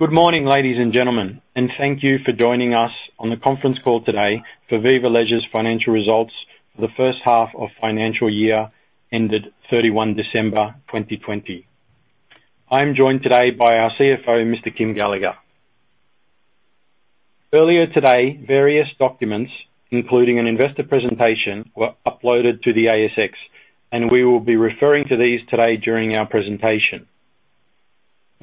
Good morning, ladies and gentlemen, and thank you for joining us on the conference call today for Viva Leisure's financial results for the first half of financial year ended 31 December 2020. I'm joined today by our CFO, Mr. Kym Gallagher. Earlier today, various documents, including an investor presentation, were uploaded to the ASX. We will be referring to these today during our presentation.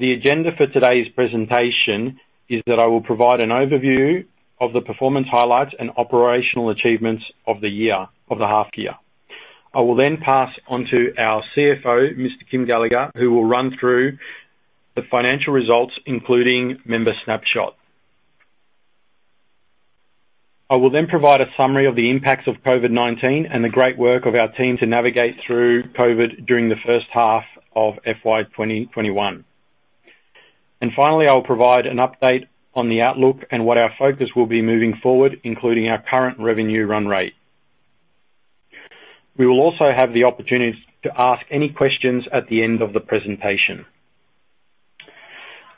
The agenda for today's presentation is that I will provide an overview of the performance highlights and operational achievements of the half year. I will pass on to our CFO, Mr. Kym Gallagher, who will run through the financial results, including member snapshot. I will provide a summary of the impacts of COVID-19 and the great work of our team to navigate through COVID during the first half of FY 2021. Finally, I will provide an update on the outlook and what our focus will be moving forward, including our current revenue run rate. We will also have the opportunity to ask any questions at the end of the presentation.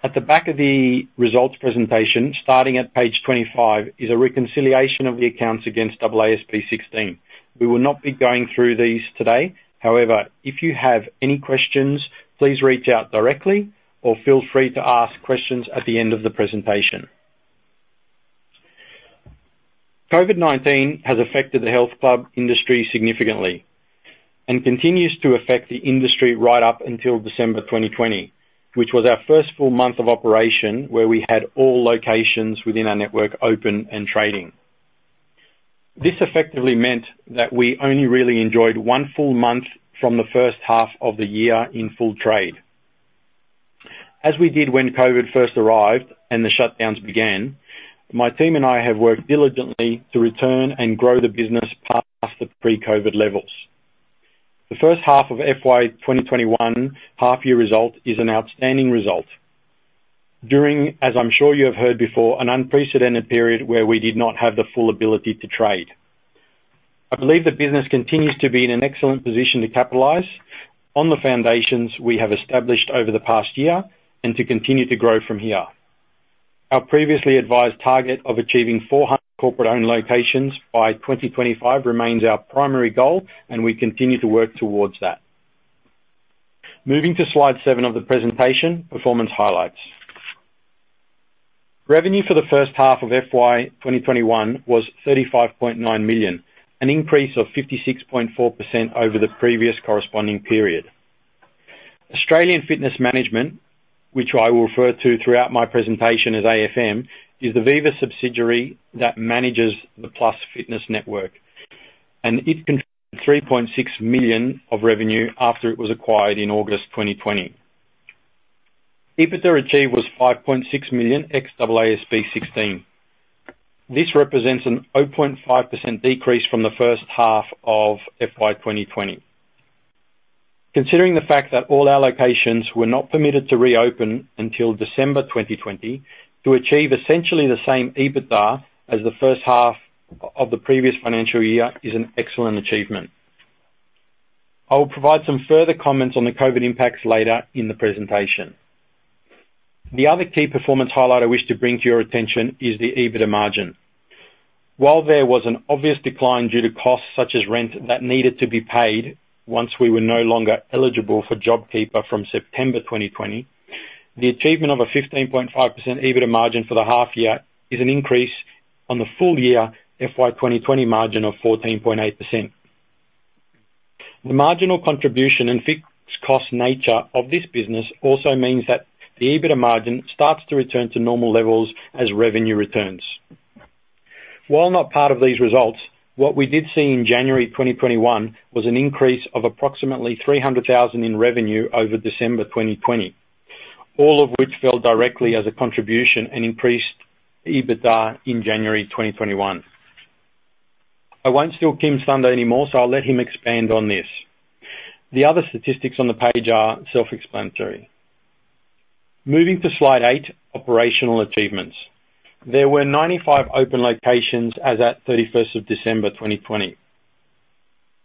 At the back of the results presentation, starting at page 25, is a reconciliation of the accounts against AASB 16. We will not be going through these today. However, if you have any questions, please reach out directly or feel free to ask questions at the end of the presentation. COVID-19 has affected the health club industry significantly and continues to affect the industry right up until December 2020, which was our first full month of operation, where we had all locations within our network open and trading. This effectively meant that we only really enjoyed one full month from the first half of the year in full trade. As we did when COVID first arrived and the shutdowns began, my team and I have worked diligently to return and grow the business past the pre-COVID levels. The first half of FY 2021 half-year result is an outstanding result. During, as I'm sure you have heard before, an unprecedented period where we did not have the full ability to trade. I believe the business continues to be in an excellent position to capitalize on the foundations we have established over the past year and to continue to grow from here. Our previously advised target of achieving 400 corporate-owned locations by 2025 remains our primary goal, and we continue to work towards that. Moving to slide seven of the presentation, performance highlights. Revenue for the first half of FY 2021 was 35.9 million, an increase of 56.4% over the previous corresponding period. Australian Fitness Management, which I will refer to throughout my presentation as AFM, is the Viva subsidiary that manages the Plus Fitness network, and it contributed 3.6 million of revenue after it was acquired in August 2020. EBITDA achieved was 5.6 million ex AASB 16. This represents a 0.5% decrease from the first half of FY 2020. Considering the fact that all our locations were not permitted to reopen until December 2020, to achieve essentially the same EBITDA as the first half of the previous financial year is an excellent achievement. I will provide some further comments on the COVID impacts later in the presentation. The other key performance highlight I wish to bring to your attention is the EBITDA margin. While there was an obvious decline due to costs such as rent that needed to be paid once we were no longer eligible for JobKeeper from September 2020, the achievement of a 15.5% EBITDA margin for the half year is an increase on the full year FY 2020 margin of 14.8%. The marginal contribution and fixed cost nature of this business also means that the EBITDA margin starts to return to normal levels as revenue returns. While not part of these results, what we did see in January 2021 was an increase of approximately 300,000 in revenue over December 2020. All of which fell directly as a contribution and increased EBITDA in January 2021. I won't steal Kym's thunder anymore, so I'll let him expand on this. The other statistics on the page are self-explanatory. Moving to slide eight, operational achievements. There were 95 open locations as at 31st of December 2020.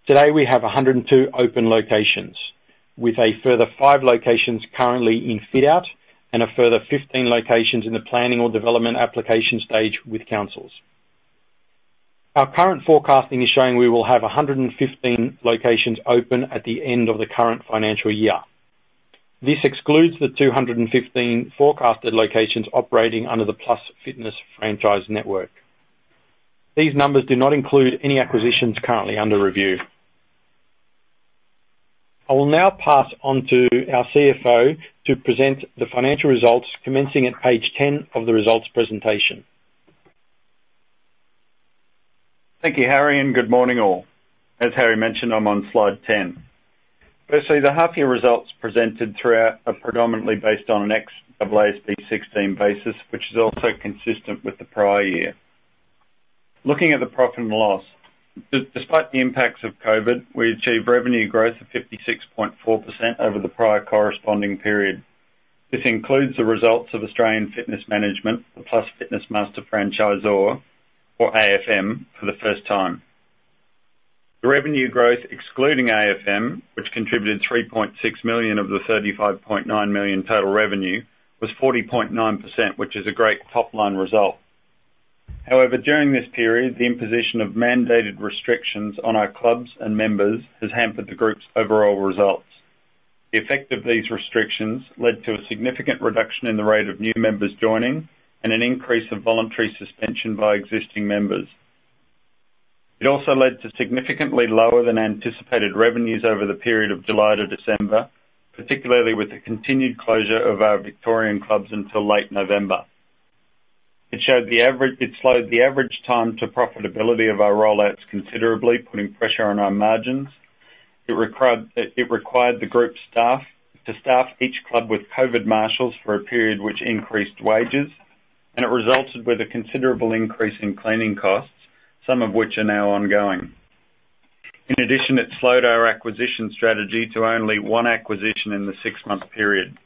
Today, we have 102 open locations with a further five locations currently in fit-out and a further 15 locations in the planning or development application stage with councils. Our current forecasting is showing we will have 115 locations open at the end of the current financial year. This excludes the 215 forecasted locations operating under the Plus Fitness franchise network. These numbers do not include any acquisitions currently under review. I will now pass on to our CFO to present the financial results commencing at page 10 of the results presentation. Thank you, Harry. Good morning all. As Harry mentioned, I'm on slide 10. Firstly, the half year results presented throughout are predominantly based on an ex AASB 16 basis, which is also consistent with the prior year. Looking at the profit and loss. Despite the impacts of COVID, we achieved revenue growth of 56.4% over the prior corresponding period. This includes the results of Australian Fitness Management, the Plus Fitness master franchisor, or AFM, for the first time. The revenue growth excluding AFM, which contributed 3.6 million of the 35.9 million total revenue, was 40.9%, which is a great top-line result. However, during this period, the imposition of mandated restrictions on our clubs and members has hampered the group's overall results. The effect of these restrictions led to a significant reduction in the rate of new members joining and an increase of voluntary suspension by existing members. It also led to significantly lower than anticipated revenues over the period of July to December, particularly with the continued closure of our Victorian clubs until late November. It slowed the average time to profitability of our roll-outs considerably, putting pressure on our margins. It required the group staff to staff each club with COVID marshals for a period which increased wages, and it resulted with a considerable increase in cleaning costs, some of which are now ongoing. In addition, it slowed our acquisition strategy to only one acquisition in the six-month period.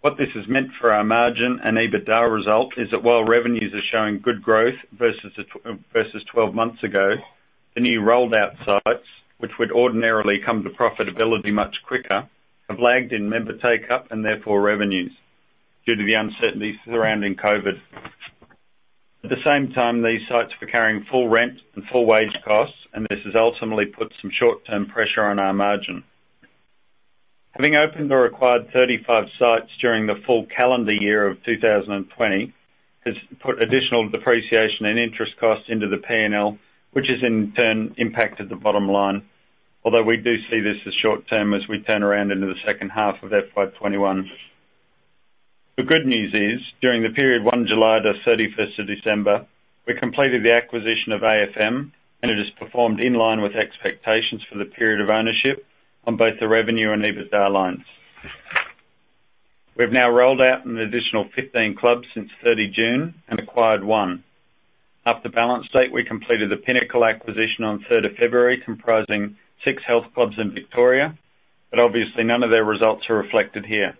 What this has meant for our margin and EBITDA result is that while revenues are showing good growth versus 12 months ago, the new rolled-out sites, which would ordinarily come to profitability much quicker, have lagged in member take-up, and therefore revenues, due to the uncertainty surrounding COVID. At the same time, these sites were carrying full rent and full wage costs, and this has ultimately put some short-term pressure on our margin. Having opened or acquired 35 sites during the full calendar year of 2020 has put additional depreciation and interest costs into the P&L, which has in turn impacted the bottom line. We do see this as short-term as we turn around into the second half of FY 2021. The good news is, during the period 1 July to 31st of December, we completed the acquisition of AFM, and it has performed in line with expectations for the period of ownership on both the revenue and EBITDA lines. We've now rolled out an additional 15 clubs since 30 June and acquired one. After balance date, we completed the Pinnacle acquisition on 3rd of February, comprising six health clubs in Victoria. Obviously none of their results are reflected here.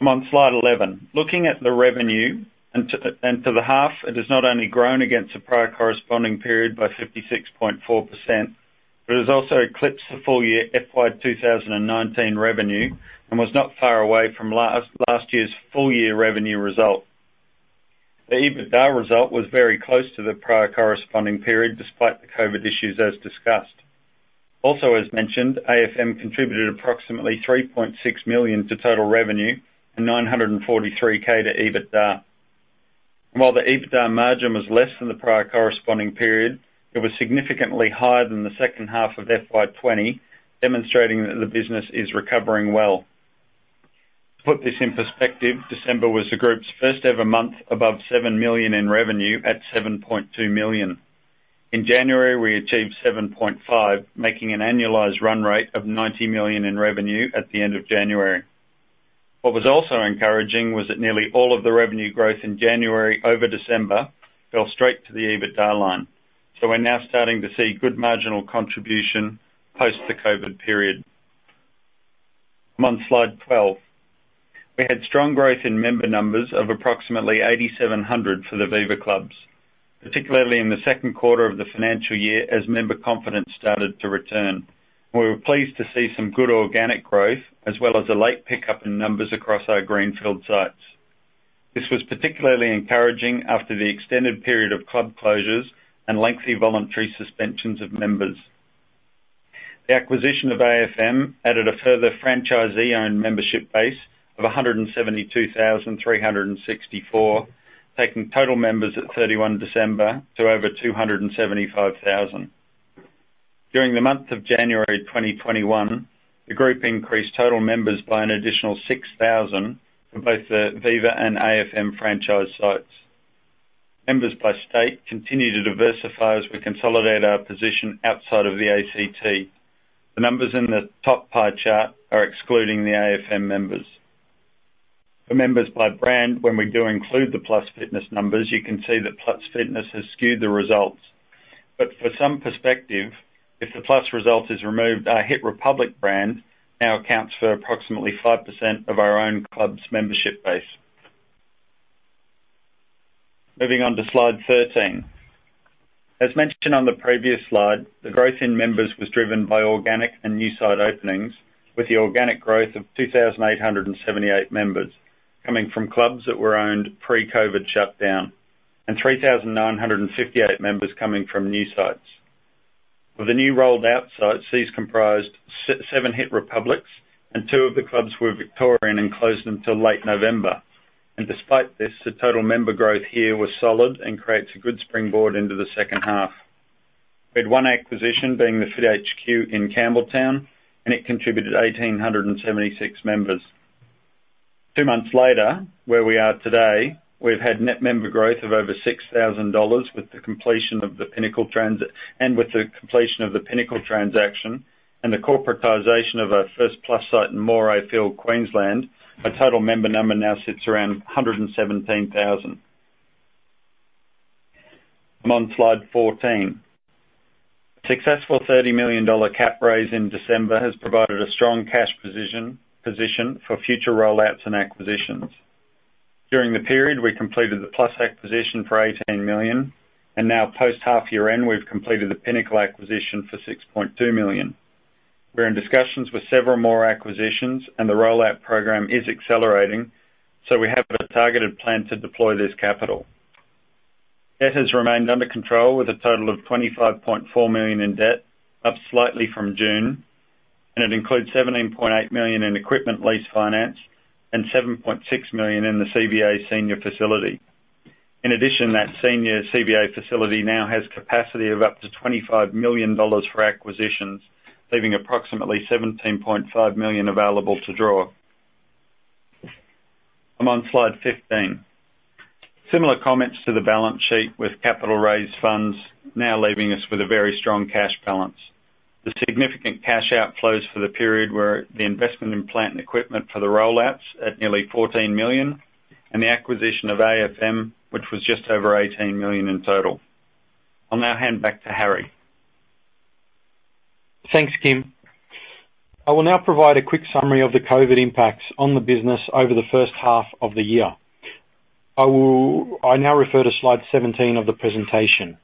I'm on slide 11. Looking at the revenue, and to the half, it has not only grown against the prior corresponding period by 56.4%, but it has also eclipsed the full year FY 2019 revenue and was not far away from last year's full-year revenue result. The EBITDA result was very close to the prior corresponding period, despite the COVID issues as discussed. As mentioned, AFM contributed approximately 3.6 million to total revenue and 943,000 to EBITDA. While the EBITDA margin was less than the prior corresponding period, it was significantly higher than the second half of FY 2020, demonstrating that the business is recovering well. To put this in perspective, December was the group's first-ever month above 7 million in revenue at 7.2 million. In January, we achieved 7.5 million, making an annualized run rate of 90 million in revenue at the end of January. What was also encouraging was that nearly all of the revenue growth in January over December fell straight to the EBITDA line. We're now starting to see good marginal contribution post the COVID period. I'm on slide 12. We had strong growth in member numbers of approximately 8,700 for the Viva clubs, particularly in the second quarter of the financial year as member confidence started to return. We were pleased to see some good organic growth as well as a late pickup in numbers across our greenfield sites. This was particularly encouraging after the extended period of club closures and lengthy voluntary suspensions of members. The acquisition of AFM added a further franchisee-owned membership base of 172,364, taking total members at 31 December to over 275,000. During the month of January 2021, the group increased total members by an additional 6,000 from both the Viva and AFM franchise sites. Members by state continue to diversify as we consolidate our position outside of the ACT. The numbers in the top pie chart are excluding the AFM members. For members by brand, when we do include the Plus Fitness numbers, you can see that Plus Fitness has skewed the results. For some perspective, if the Plus result is removed, our HIIT Republic brand now accounts for approximately 5% of our own club's membership base. Moving on to slide 13. As mentioned on the previous slide, the growth in members was driven by organic and new site openings, with the organic growth of 2,878 members coming from clubs that were owned pre-COVID shutdown, and 3,958 members coming from new sites. With the new rolled-out sites, these comprised seven HIIT Republics and two of the clubs were Victorian and closed until late November. Despite this, the total member growth here was solid and creates a good springboard into the second half. We had one acquisition being the FIT HQ in Campbelltown, and it contributed 1,876 members. Two months later, where we are today, we've had net member growth of over 6,000 with the completion of the Pinnacle transaction and the corporatization of our first Plus site in Morayfield, Queensland. Our total member number now sits around 117,000. I'm on slide 14. Successful AUD 30 million cap raise in December has provided a strong cash position for future rollouts and acquisitions. During the period, we completed the Plus acquisition for AUD 18 million. Now post half year end, we've completed the Pinnacle acquisition for AUD 6.2 million. We're in discussions with several more acquisitions and the rollout program is accelerating. We have a targeted plan to deploy this capital. Debt has remained under control with a total of 25.4 million in debt, up slightly from June. It includes 17.8 million in equipment lease finance and 7.6 million in the CBA senior facility. In addition, that senior CBA facility now has capacity of up to 25 million dollars for acquisitions, leaving approximately 17.5 million available to draw. I'm on slide 15. Similar comments to the balance sheet with capital raised funds now leaving us with a very strong cash balance. The significant cash outflows for the period were the investment in plant and equipment for the rollouts at nearly 14 million, and the acquisition of AFM, which was just over 18 million in total. I'll now hand back to Harry. Thanks, Kym. I will now provide a quick summary of the COVID impacts on the business over the first half of the year. I now refer to slide 17 of the presentation.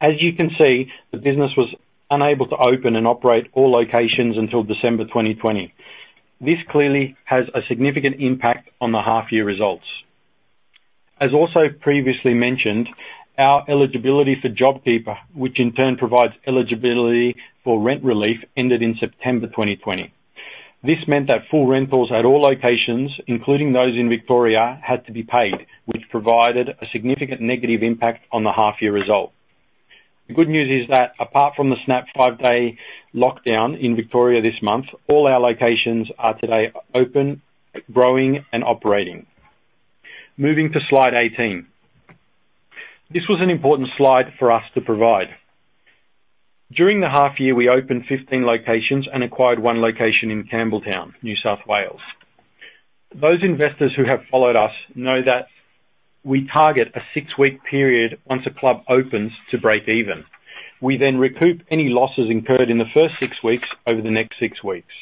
As you can see, the business was unable to open and operate all locations until December 2020. This clearly has a significant impact on the half year results. As also previously mentioned, our eligibility for JobKeeper, which in turn provides eligibility for rent relief, ended in September 2020. This meant that full rentals at all locations, including those in Victoria, had to be paid, which provided a significant negative impact on the half year result. The good news is that apart from the snap five-day lockdown in Victoria this month, all our locations are today open, growing, and operating. Moving to slide 18. This was an important slide for us to provide. During the half year, we opened 15 locations and acquired one location in Campbelltown, New South Wales. Those investors who have followed us know that we target a six-week period once a club opens to break even. We then recoup any losses incurred in the first six weeks over the next six weeks.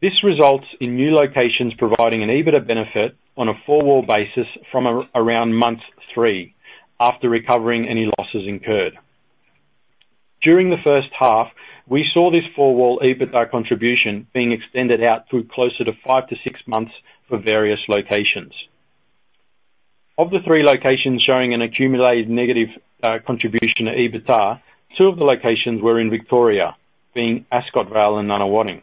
This results in new locations providing an EBITDA benefit on a four-wall basis from around month three, after recovering any losses incurred. During the first half, we saw this four-wall EBITDA contribution being extended out through closer to five to six months for various locations. Of the three locations showing an accumulated negative contribution to EBITDA, two of the locations were in Victoria, being Ascot Vale and Nunawading.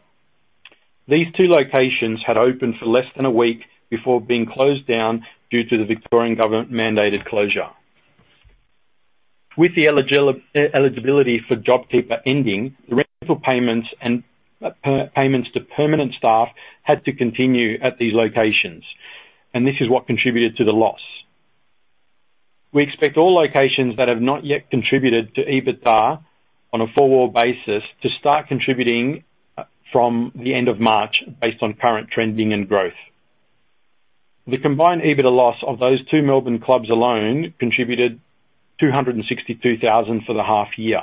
These two locations had opened for less than a week before being closed down due to the Victorian government-mandated closure. With the eligibility for JobKeeper ending, the rental payments and payments to permanent staff had to continue at these locations, this is what contributed to the loss. We expect all locations that have not yet contributed to EBITDA on a four-wall basis to start contributing from the end of March based on current trending and growth. The combined EBITDA loss of those two Melbourne clubs alone contributed 262,000 for the half year.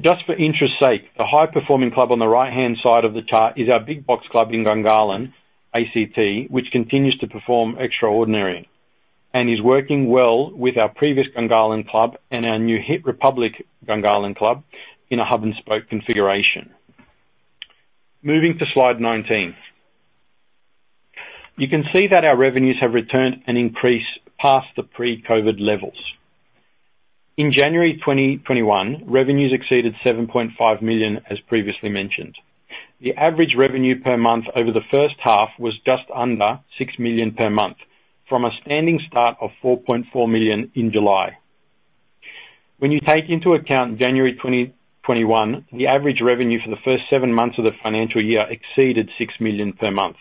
Just for interest's sake, the high-performing club on the right-hand side of the chart is our Big Box club in Gungahlin, ACT, which continues to perform extraordinary, is working well with our previous Gungahlin club and our new HIIT Republic Gungahlin club in a hub and spoke configuration. Moving to slide 19. You can see that our revenues have returned an increase past the pre-COVID levels. In January 2021, revenues exceeded 7.5 million, as previously mentioned. The average revenue per month over the first half was just under 6 million per month from a standing start of 4.4 million in July. When you take into account January 2021, the average revenue for the first seven months of the financial year exceeded 6 million per month.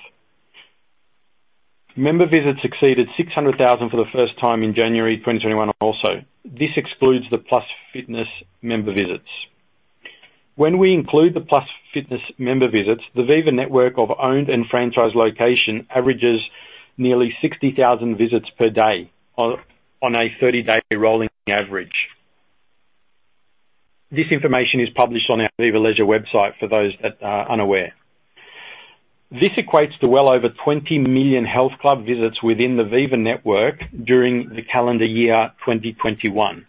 Member visits exceeded 600,000 for the first time in January 2021 also. This excludes the Plus Fitness member visits. When we include the Plus Fitness member visits, the Viva network of owned and franchised location averages nearly 60,000 visits per day on a 30-day rolling average. This information is published on our Viva Leisure website for those that are unaware. This equates to well over 20 million health club visits within the Viva network during the calendar year 2021.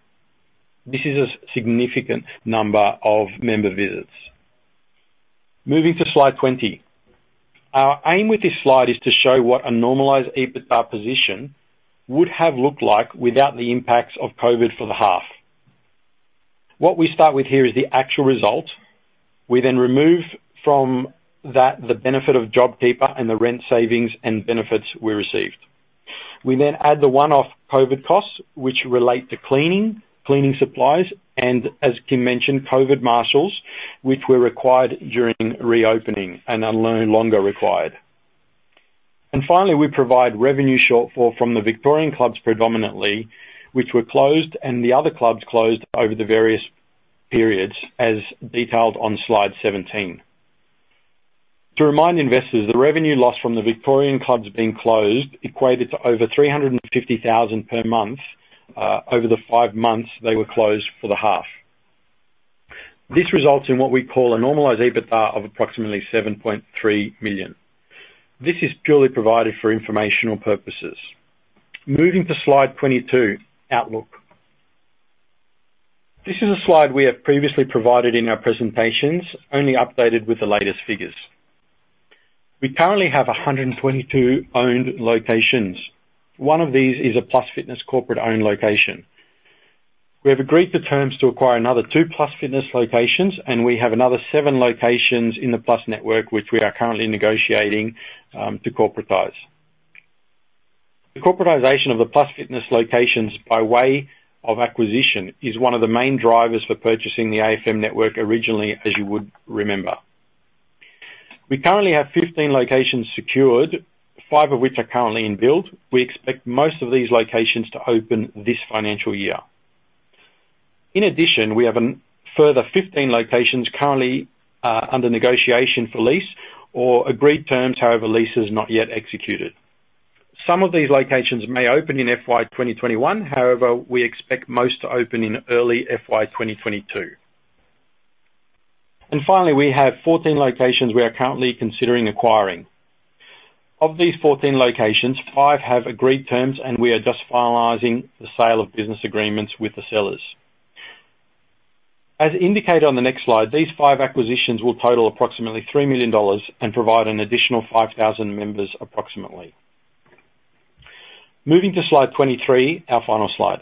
This is a significant number of member visits. Moving to slide 20. Our aim with this slide is to show what a normalized EBITDA position would have looked like without the impacts of COVID for the half. What we start with here is the actual result. We remove from that the benefit of JobKeeper and the rent savings and benefits we received. We add the one-off COVID costs, which relate to cleaning supplies, and as Kym mentioned, COVID marshals, which were required during reopening and are no longer required. Finally, we provide revenue shortfall from the Victorian clubs predominantly, which were closed, and the other clubs closed over the various periods, as detailed on slide 17. To remind investors, the revenue loss from the Victorian clubs being closed equated to over 350,000 per month over the five months they were closed for the half. This results in what we call a normalized EBITDA of approximately 7.3 million. This is purely provided for informational purposes. Moving to slide 22, Outlook. This is a slide we have previously provided in our presentations, only updated with the latest figures. We currently have 122 owned locations. One of these is a Plus Fitness corporate-owned location. We have agreed to terms to acquire another two Plus Fitness locations, and we have another seven locations in the Plus network, which we are currently negotiating to corporatize. The corporatization of the Plus Fitness locations by way of acquisition is one of the main drivers for purchasing the AFM network originally, as you would remember. We currently have 15 locations secured, five of which are currently in build. We expect most of these locations to open this financial year. In addition, we have a further 15 locations currently under negotiation for lease or agreed terms, however, leases not yet executed. Some of these locations may open in FY 2021. However, we expect most to open in early FY 2022. Finally, we have 14 locations we are currently considering acquiring. Of these 14 locations, five have agreed terms, we are just finalizing the sale of business agreements with the sellers. As indicated on the next slide, these five acquisitions will total approximately 3 million dollars and provide an additional 5,000 members approximately. Moving to slide 23, our final slide.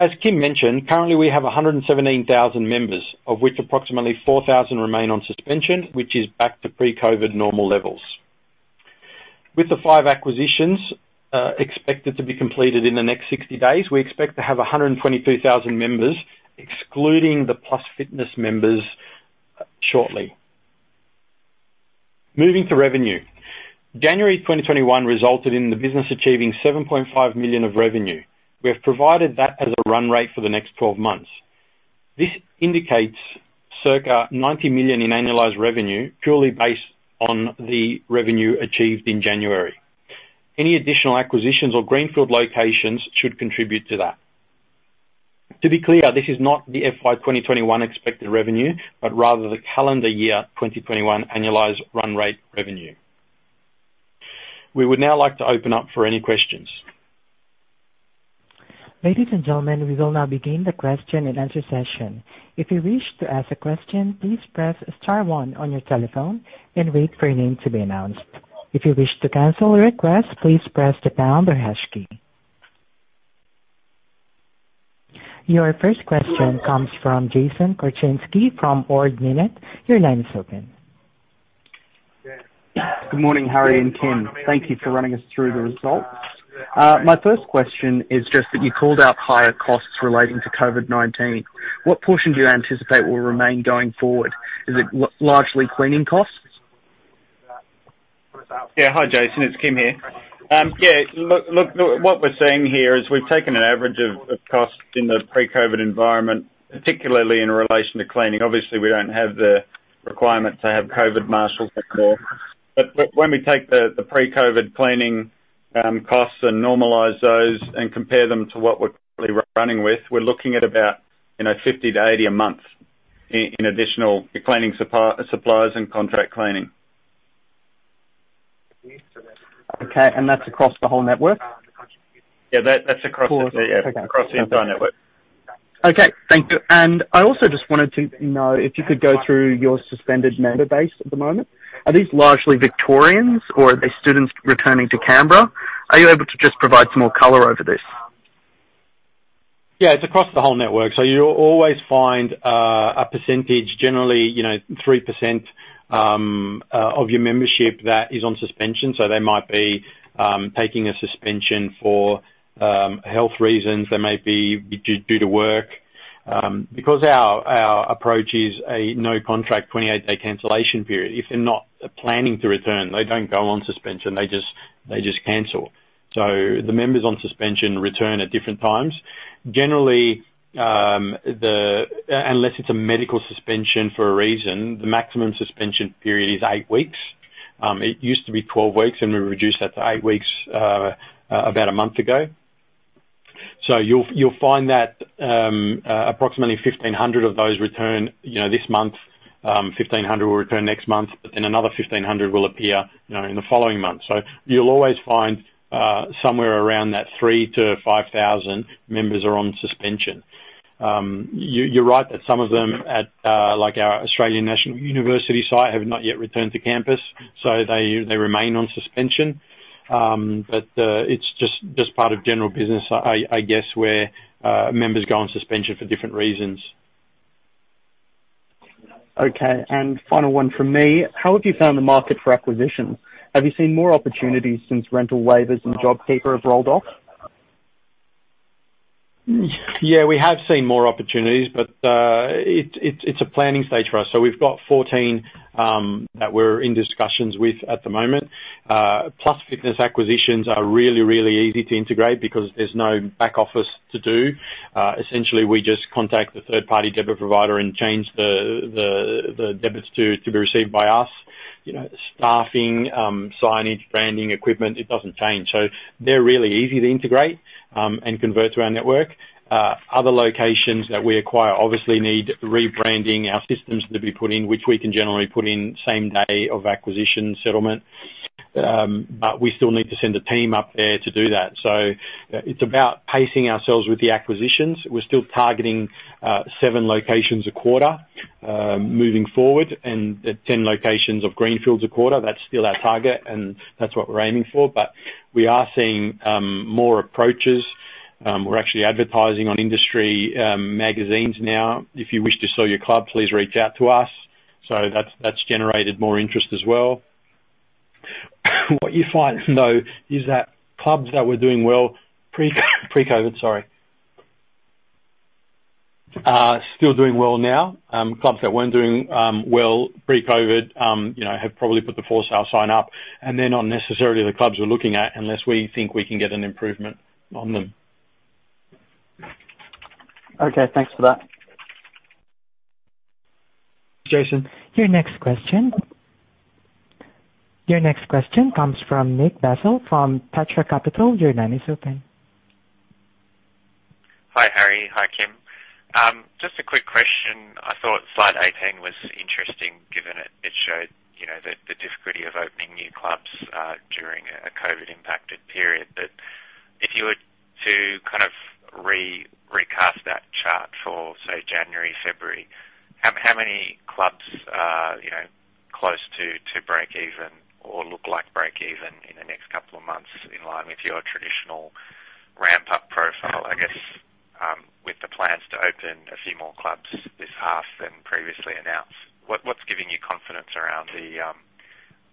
As Kym mentioned, currently we have 117,000 members, of which approximately 4,000 remain on suspension, which is back to pre-COVID normal levels. With the five acquisitions expected to be completed in the next 60 days, we expect to have 122,000 members, excluding the Plus Fitness members shortly. Moving to revenue. January 2021 resulted in the business achieving 7.5 million of revenue. We have provided that as a run rate for the next 12 months. This indicates circa 90 million in annualized revenue, purely based on the revenue achieved in January. Any additional acquisitions or greenfield locations should contribute to that. To be clear, this is not the FY 2021 expected revenue, but rather the calendar year 2021 annualized run rate revenue. We would now like to open up for any questions. Ladies and gentlemen, we will now begin the question and answer session. If you wish to ask a question, please press star one on your telephone and wait for your name to be announced. If you wish to cancel your request, please press the pound or hash key. Your first question comes from Jason Korchinski from Ord Minnett. Your line is open. Good morning, Harry and Kym. Thank you for running us through the results. My first question is just that you called out higher costs relating to COVID-19. What portion do you anticipate will remain going forward? Is it largely cleaning costs? Hi, Jason. It's Kym here. What we're seeing here is we've taken an average of costs in the pre-COVID environment, particularly in relation to cleaning. Obviously, we don't have the requirement to have COVID marshals anymore. When we take the pre-COVID cleaning costs and normalize those and compare them to what we're currently running with, we're looking at about 50-80 a month in additional cleaning supplies and contract cleaning. Okay. That's across the whole network? Yeah. That's across- Cool the entire network. Okay. Thank you. I also just wanted to know if you could go through your suspended member base at the moment. Are these largely Victorians, or are they students returning to Canberra? Are you able to just provide some more color over this? Yeah. It's across the whole network. You'll always find a percentage, generally 3%, of your membership that is on suspension. They might be taking a suspension for health reasons. They may be due to work. Because our approach is a no contract 28-day cancellation period. If they're not planning to return, they don't go on suspension. They just cancel. The members on suspension return at different times. Generally, unless it's a medical suspension for a reason, the maximum suspension period is eight weeks. It used to be 12 weeks, and we reduced that to eight weeks about a month ago. You'll find that approximately 1,500 of those return this month. 1,500 will return next month, but then another 1,500 will appear in the following month. You'll always find somewhere around that 3,000 to 5,000 members are on suspension. You're right that some of them at our Australian National University site have not yet returned to campus, they remain on suspension. It's just part of general business, I guess, where members go on suspension for different reasons. Okay. Final one from me. How have you found the market for acquisition? Have you seen more opportunities since rental waivers and JobKeeper have rolled off? Yeah, we have seen more opportunities, but it's a planning stage for us. We've got 14 that we're in discussions with at the moment. Plus Fitness acquisitions are really, really easy to integrate because there's no back office to do. Essentially, we just contact the third-party debit provider and change the debits to be received by us. Staffing, signage, branding, equipment, it doesn't change. They're really easy to integrate and convert to our network. Other locations that we acquire obviously need rebranding, our systems to be put in, which we can generally put in same day of acquisition settlement. We still need to send a team up there to do that. It's about pacing ourselves with the acquisitions. We're still targeting seven locations a quarter moving forward, and 10 locations of greenfields a quarter. That's still our target, and that's what we're aiming for. We are seeing more approaches. We're actually advertising on industry magazines now. If you wish to sell your club, please reach out to us. That's generated more interest as well. What you find, though, is that clubs that were doing well pre-COVID, sorry, are still doing well now. Clubs that weren't doing well pre-COVID have probably put the for sale sign up, and they're not necessarily the clubs we're looking at unless we think we can get an improvement on them. Okay, thanks for that. Jason? Your next question. Your next question comes from Nick Basile from Petra Capital. Your line is open. Hi, Harry. Hi, Kym. Just a quick question. I thought slide 18 was interesting, given it showed the difficulty of opening new clubs during a COVID-impacted period. If you were to kind of recast that chart for, say, January, February, how many clubs are close to breakeven or look like breakeven in the next couple of months, in line with your traditional ramp-up profile, I guess, with the plans to open a few more clubs this half than previously announced? What's giving you confidence around the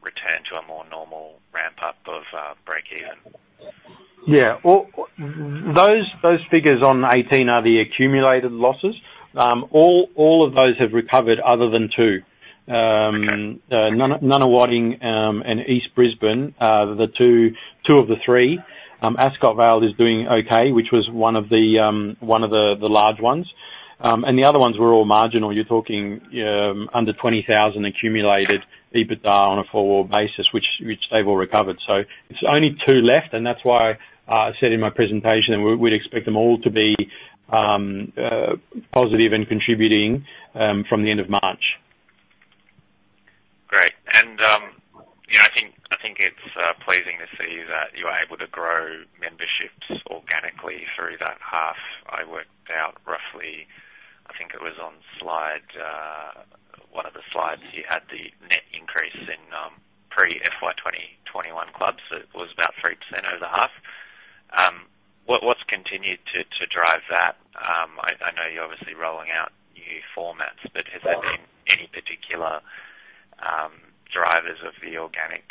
return to a more normal ramp-up of breakeven? Yeah. Those figures on 18 are the accumulated losses. All of those have recovered, other than two. Nunawading and East Brisbane are two of the three. Ascot Vale is doing okay, which was one of the large ones. The other ones were all marginal. You're talking under 20,000 accumulated EBITDA on a forward basis, which they've all recovered. It's only two left, and that's why I said in my presentation we'd expect them all to be positive and contributing from the end of March. Great. I think it's pleasing to see that you are able to grow memberships organically through that half. I worked out roughly, I think it was on one of the slides you had the net increase in pre-FY 2021 clubs. It was about 3% over the half. What's continued to drive that? I know you're obviously rolling out new formats, but has there been any particular drivers of the organic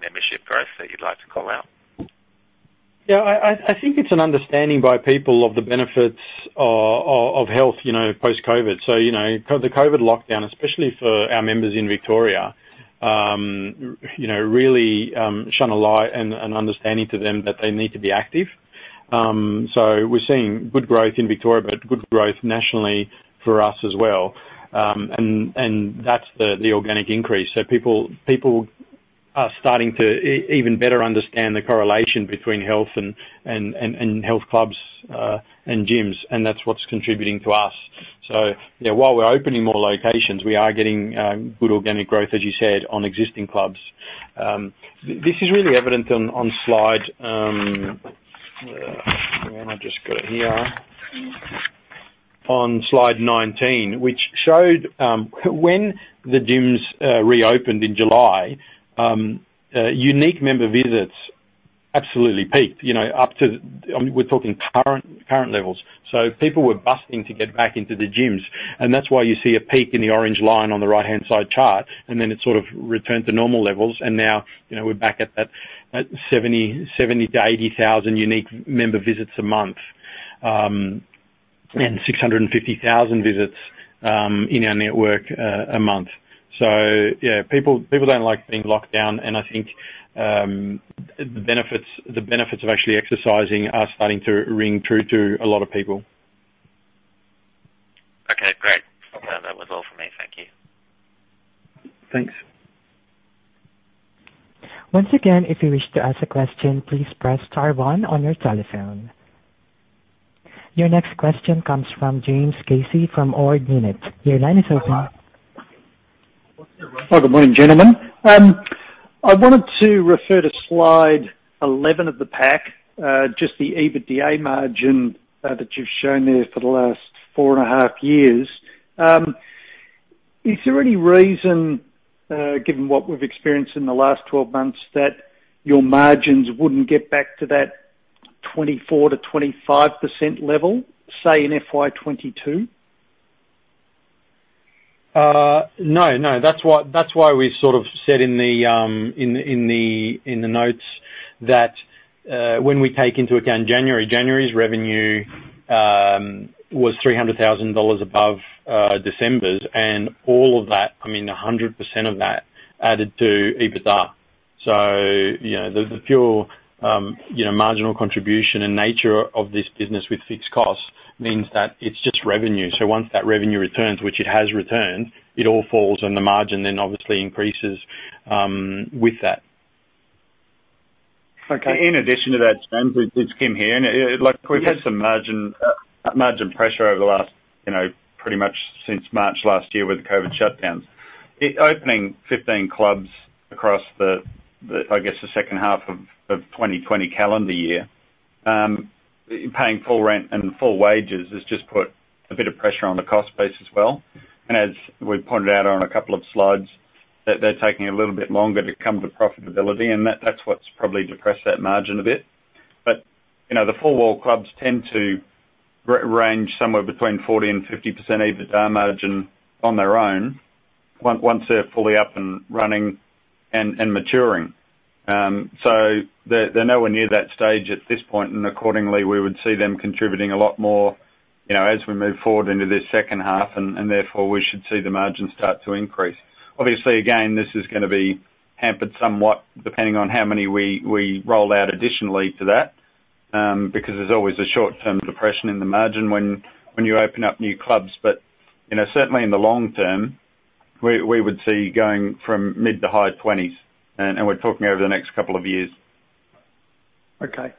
membership growth that you'd like to call out? Yeah. I think it's an understanding by people of the benefits of health post-COVID. The COVID lockdown, especially for our members in Victoria, really shone a light and understanding to them that they need to be active. We're seeing good growth in Victoria, but good growth nationally for us as well. That's the organic increase. People are starting to even better understand the correlation between health and health clubs and gyms, and that's what's contributing to us. Yeah, while we're opening more locations, we are getting good organic growth, as you said, on existing clubs. This is really evident on slide. I just got it here. On slide 19, which showed when the gyms reopened in July, unique member visits absolutely peaked. We're talking current levels. People were busting to get back into the gyms, that's why you see a peak in the orange line on the right-hand side chart, then it sort of returned to normal levels. Now we're back at that 70,000-80,000 unique member visits a month, and 650,000 visits in our network a month. Yeah, people don't like being locked down, I think the benefits of actually exercising are starting to ring true to a lot of people. Okay, great. That was all for me. Thank you. Thanks. Once again, if you wish to ask a question, please press star one on your telephone. Your next question comes from James Casey from Ord Minnett. Your line is open. Oh, good morning, gentlemen. I wanted to refer to slide 11 of the pack, just the EBITDA margin that you've shown there for the last four and a half years. Is there any reason, given what we've experienced in the last 12 months, that your margins wouldn't get back to that 24%-25% level, say, in FY 2022? No. That's why we sort of said in the notes that when we take into account January. January's revenue was 300,000 dollars above December's. All of that, I mean, 100% of that added to EBITDA. The pure marginal contribution and nature of this business with fixed costs means that it's just revenue. Once that revenue returns, which it has returned, it all falls and the margin then obviously increases with that. Okay. In addition to that, James, it's Kym here. We've had some margin pressure over the last, pretty much since March last year with the COVID shutdowns. Opening 15 clubs across the, I guess, the second half of 2020 calendar year, paying full rent and full wages has just put a bit of pressure on the cost base as well. As we pointed out on a couple of slides, that they're taking a little bit longer to come to profitability, and that's what's probably depressed that margin a bit. The four wall clubs tend to range somewhere between 40% and 50% EBITDA margin on their own once they're fully up and running and maturing. They're nowhere near that stage at this point, and accordingly, we would see them contributing a lot more as we move forward into this second half and therefore we should see the margin start to increase. Obviously, again, this is going to be hampered somewhat depending on how many we roll out additionally to that, because there's always a short-term depression in the margin when you open up new clubs. Certainly in the long term, we would see going from mid to high 20s, and we're talking over the next couple of years. Okay.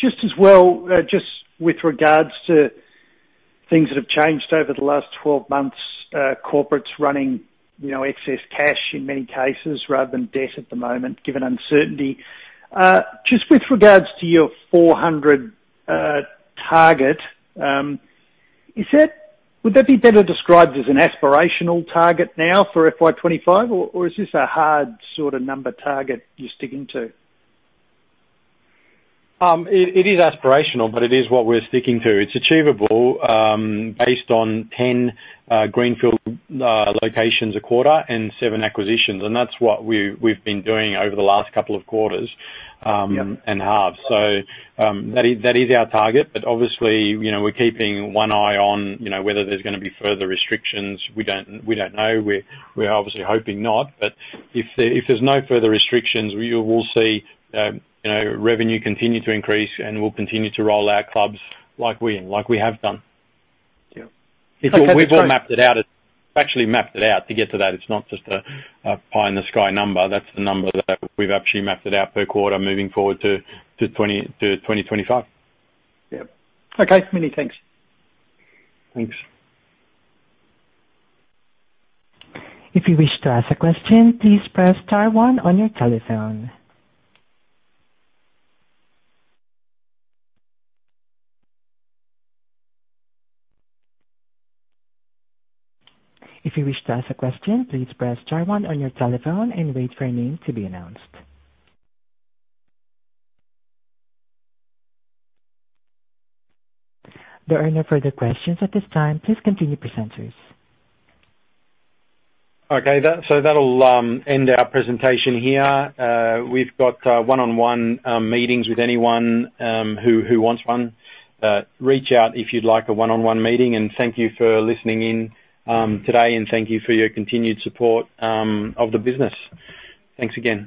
Just as well, just with regards to things that have changed over the last 12 months, corporates running excess cash in many cases rather than debt at the moment, given uncertainty. Just with regards to your 400 target, would that be better described as an aspirational target now for FY 2025? Or is this a hard sort of number target you're sticking to? It is aspirational, but it is what we're sticking to. It's achievable based on 10 greenfield locations a quarter and seven acquisitions. That's what we've been doing over the last couple of quarters and halves. That is our target. Obviously, we're keeping one eye on whether there's going to be further restrictions. We don't know. We're obviously hoping not. If there's no further restrictions, we will see revenue continue to increase, and we'll continue to roll out clubs like we have done. Yeah. Okay. We've all mapped it out. We've actually mapped it out to get to that. It's not just a pie-in-the-sky number. That's the number that we've actually mapped it out per quarter moving forward to 2025. Yeah. Okay, many thanks. Thanks. If you wish to ask a question, please press star one on your telephone. If you wish to ask a question, please press star one on your telephone and wait for your name to be announced. There are no further questions at this time. Please continue, presenters. Okay. That'll end our presentation here. We've got one-on-one meetings with anyone who wants one. Reach out if you'd like a one-on-one meeting. Thank you for listening in today. Thank you for your continued support of the business. Thanks again.